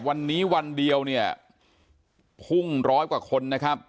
วันนี้วันเดียวเนี่ยพุ่งร้อยกว่าคนนะครับ